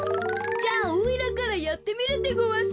じゃあおいらからやってみるでごわす。